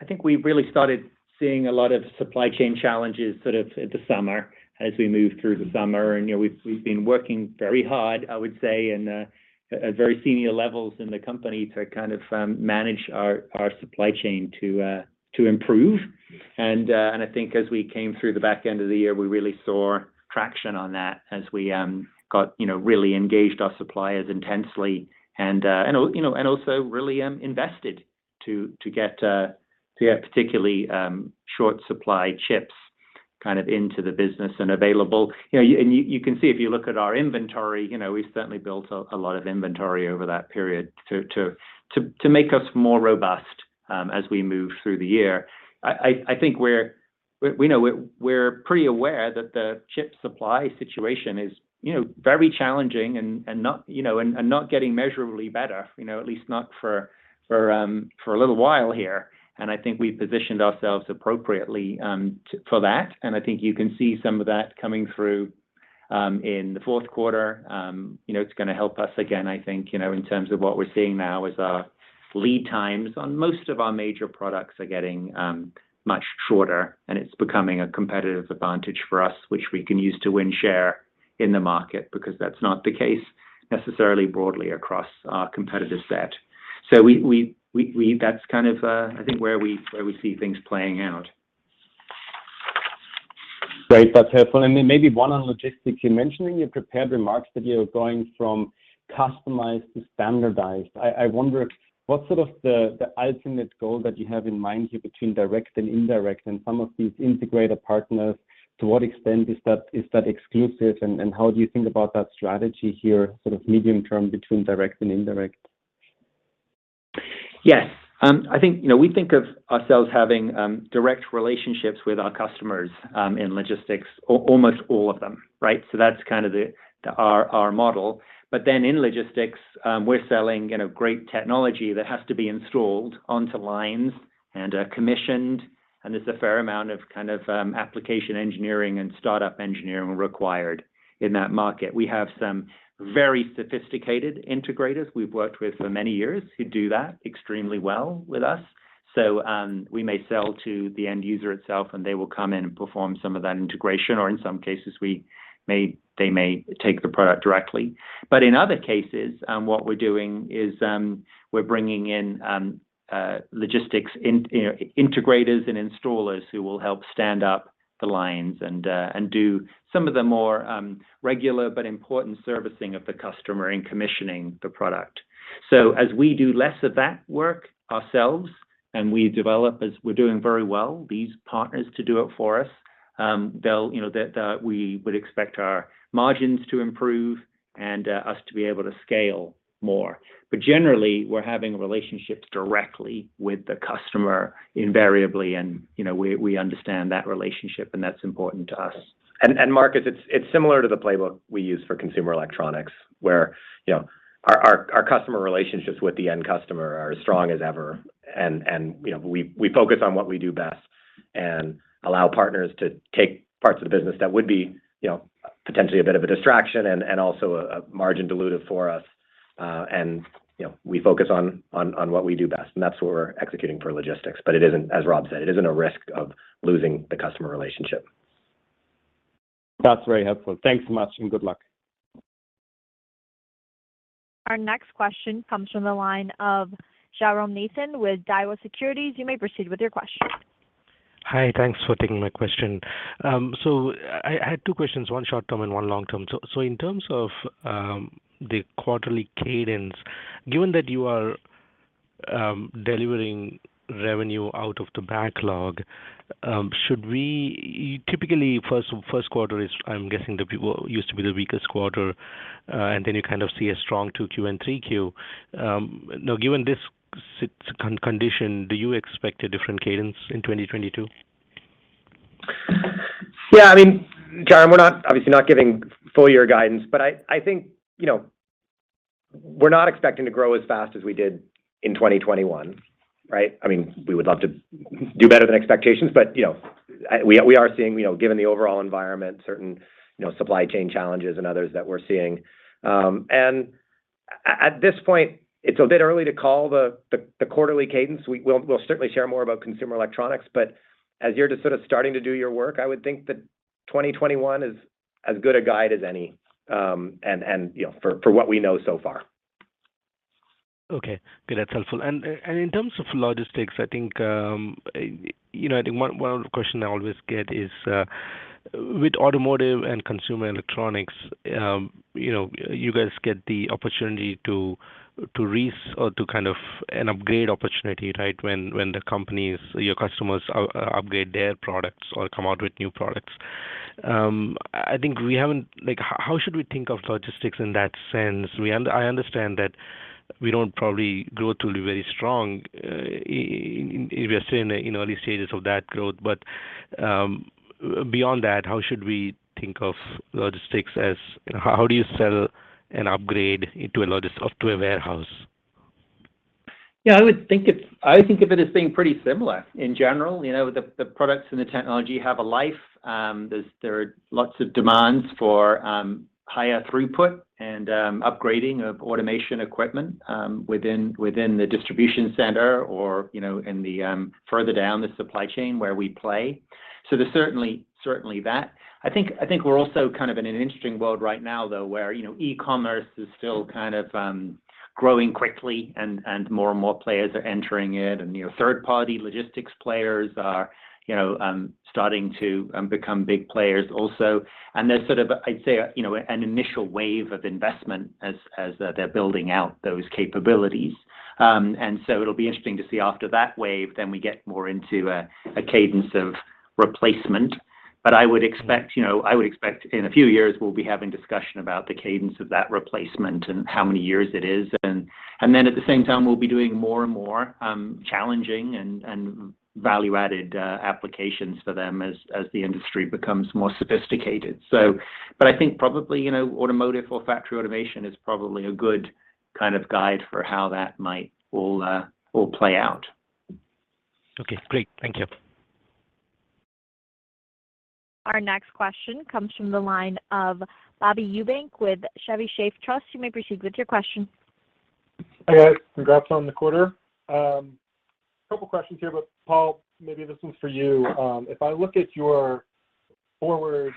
I think we've really started seeing a lot of supply chain challenges sort of in the summer, as we moved through the summer. You know, we've been working very hard, I would say, in at very senior levels in the company to kind of manage our supply chain to improve. I think as we came through the back end of the year, we really saw traction on that as we got, you know, really engaged our suppliers intensely and, you know, and also really invested to get particularly short supply chips kind of into the business and available. You know, you can see if you look at our inventory. You know, we've certainly built a lot of inventory over that period to make us more robust as we move through the year. I think we know we're pretty aware that the chip supply situation is you know very challenging and not getting measurably better, you know, at least not for a little while here. I think we've positioned ourselves appropriately for that. I think you can see some of that coming through in the fourth quarter. You know, it's gonna help us again, I think, you know, in terms of what we're seeing now is our lead times on most of our major products are getting much shorter, and it's becoming a competitive advantage for us, which we can use to win share in the market because that's not the case necessarily broadly across our competitor set. That's kind of, I think, where we see things playing out. Great. That's helpful. Maybe one on logistics. You mentioned in your prepared remarks that you are going from customized to standardized. I wonder what's sort of the ultimate goal that you have in mind here between direct and indirect and some of these integrator partners? To what extent is that exclusive, and how do you think about that strategy here, sort of medium term between direct and indirect? Yes. I think, you know, we think of ourselves having direct relationships with our customers in logistics, almost all of them, right? That's kind of our model. In logistics, we're selling, you know, great technology that has to be installed onto lines and commissioned, and there's a fair amount of kind of application engineering and startup engineering required in that market. We have some very sophisticated integrators we've worked with for many years who do that extremely well with us. We may sell to the end user itself, and they will come in and perform some of that integration, or in some cases, they may take the product directly. In other cases, what we're doing is we're bringing in logistics integrators and installers who will help stand up the lines and do some of the more regular but important servicing of the customer in commissioning the product. As we do less of that work ourselves, and we develop as we're doing very well these partners to do it for us, they'll, you know, we would expect our margins to improve and us to be able to scale more. Generally, we're having relationships directly with the customer invariably and, you know, we understand that relationship, and that's important to us. Markus, it's similar to the playbook we use for consumer electronics where, you know, our customer relationships with the end customer are as strong as ever and, you know, we focus on what we do best and allow partners to take parts of the business that would be, you know, potentially a bit of a distraction and also a margin dilutive for us. You know, we focus on what we do best, and that's what we're executing for logistics. But it isn't, as Rob said, a risk of losing the customer relationship. That's very helpful. Thanks so much, and good luck. Our next question comes from the line of Jairam Nathan with Daiwa Securities. You may proceed with your question. Hi. Thanks for taking my question. I had two questions, one short term and one long term. In terms of the quarterly cadence, given that you are delivering revenue out of the backlog, typically the first quarter used to be the weakest quarter, and then you kind of see a strong 2Q and 3Q. Now given this supply-constrained condition, do you expect a different cadence in 2022? Yeah. I mean, Jairam, we're not obviously not giving full year guidance, but I think, you know, we're not expecting to grow as fast as we did in 2021, right? I mean, we would love to do better than expectations, but you know, we are seeing, you know, given the overall environment, certain you know, supply chain challenges and others that we're seeing. And at this point, it's a bit early to call the quarterly cadence. We'll certainly share more about consumer electronics. As you're just sort of starting to do your work, I would think that 2021 is as good a guide as any, and you know, for what we know so far. Okay. Good. That's helpful. In terms of logistics, I think you know one question I always get is with automotive and consumer electronics you know you guys get the opportunity to kind of an upgrade opportunity, right? When the companies or your customers upgrade their products or come out with new products. Like, how should we think of logistics in that sense? I understand that we don't probably grow to be very strong if we are still in the early stages of that growth. Beyond that, how should we think of logistics? How do you sell an upgrade into a logistics or to a warehouse? Yeah, I think of it as being pretty similar in general. You know, the products and the technology have a life. There are lots of demands for higher throughput and upgrading of automation equipment within the distribution center or, you know, in the further down the supply chain where we play. So there's certainly that. I think we're also kind of in an interesting world right now, though, where, you know, e-commerce is still kind of growing quickly and more and more players are entering it, and, you know, third-party logistics players are starting to become big players also. There's sort of, I'd say, you know, an initial wave of investment as they're building out those capabilities. It'll be interesting to see after that wave, then we get more into a cadence of replacement. I would expect, you know, I would expect in a few years, we'll be having discussion about the cadence of that replacement and how many years it is. At the same time, we'll be doing more and more challenging and value-added applications for them as the industry becomes more sophisticated. I think probably, you know, automotive or factory automation is probably a good kind of guide for how that might all play out. Okay, great. Thank you. Our next question comes from the line of Bobby Eubank with Chevy Chase Trust. You may proceed with your question. Hi, guys. Congrats on the quarter. A couple questions here, but Paul, maybe this one's for you. If I look at your forward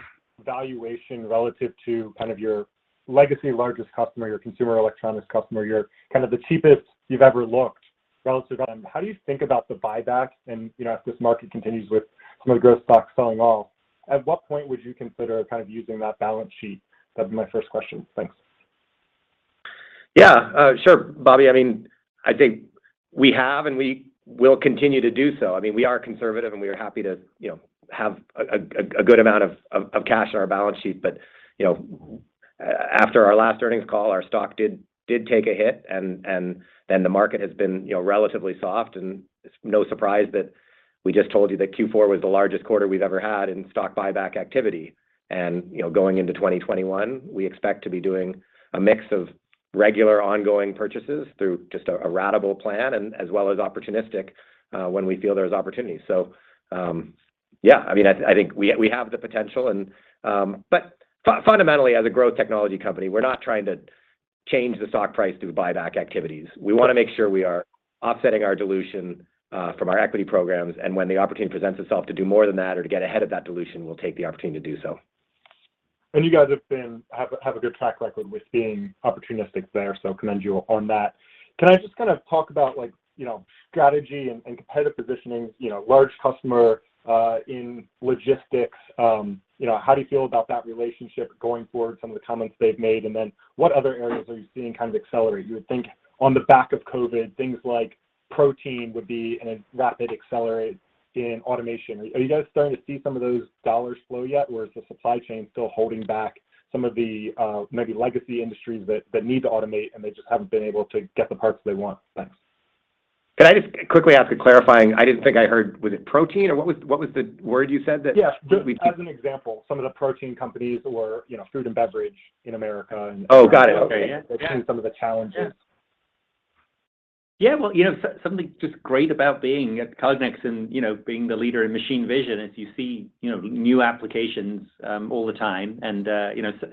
valuation relative to kind of your legacy largest customer, your consumer electronics customer, you're kind of the cheapest you've ever looked relative. How do you think about the buyback and, you know, if this market continues with some of the growth stocks selling off, at what point would you consider kind of using that balance sheet? That'd be my first question. Thanks. Yeah. Sure, Bobby. I mean, I think we have, and we will continue to do so. I mean, we are conservative, and we are happy to, you know, have a good amount of cash on our balance sheet. But, you know, after our last earnings call, our stock did take a hit and then the market has been, you know, relatively soft, and it's no surprise that we just told you that Q4 was the largest quarter we've ever had in stock buyback activity. You know, going into 2021, we expect to be doing a mix of regular ongoing purchases through just a ratable plan and as well as opportunistic when we feel there's opportunities. Yeah, I mean, I think we have the potential and... Fundamentally, as a growth technology company, we're not trying to change the stock price through buyback activities. We wanna make sure we are offsetting our dilution from our equity programs, and when the opportunity presents itself to do more than that or to get ahead of that dilution, we'll take the opportunity to do so. You guys have a good track record with being opportunistic there, so commend you on that. Can I just kind of talk about like, you know, strategy and competitive positioning, you know, large customer in logistics, you know, how do you feel about that relationship going forward, some of the comments they've made? Then what other areas are you seeing kind of accelerate? You would think on the back of COVID, things like protein would be in a rapid accelerate in automation. Are you guys starting to see some of those dollars flow yet, or is the supply chain still holding back some of the maybe legacy industries that need to automate, and they just haven't been able to get the parts they want? Thanks. Can I just quickly ask a clarifying? I didn't think I heard. Was it protein, or what was the word you said that- Yeah. As an example, some of the protein companies or, you know, food and beverage in America and Oh, got it. Okay, yeah. They're seeing some of the challenges. Well, you know, something just great about being at Cognex and, you know, being the leader in machine vision is you see, you know, new applications all the time.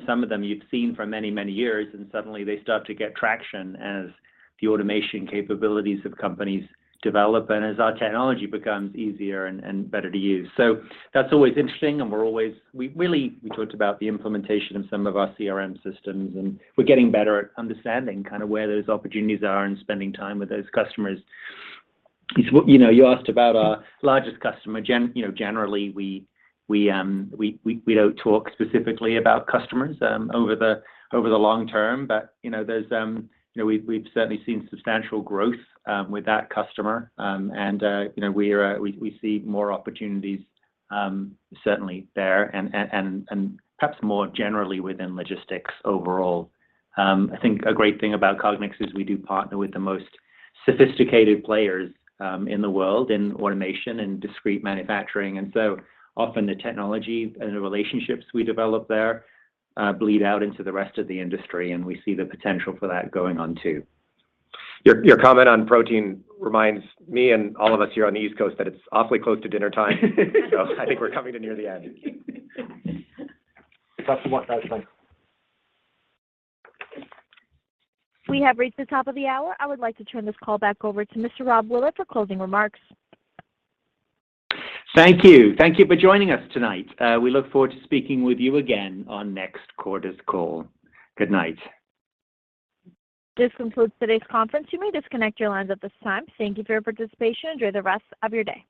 Some of them you've seen for many, many years, and suddenly they start to get traction as the automation capabilities of companies develop and as our technology becomes easier and better to use. That's always interesting, and we really talked about the implementation of some of our CRM systems, and we're getting better at understanding kind of where those opportunities are and spending time with those customers. You know, you asked about our largest customer. Generally, you know, we don't talk specifically about customers over the long term. You know, there's you know, we've certainly seen substantial growth with that customer. You know, we see more opportunities certainly there and perhaps more generally within logistics overall. I think a great thing about Cognex is we do partner with the most sophisticated players in the world in automation and discrete manufacturing. Often the technology and the relationships we develop there bleed out into the rest of the industry, and we see the potential for that going on too. Your comment on protein reminds me and all of us here on the East Coast that it's awfully close to dinner time. I think we're coming to near the end. That's the one. That was mine. We have reached the top of the hour. I would like to turn this call back over to Mr. Rob Willett for closing remarks. Thank you. Thank you for joining us tonight. We look forward to speaking with you again on next quarter's call. Good night. This concludes today's conference. You may disconnect your lines at this time. Thank you for your participation. Enjoy the rest of your day.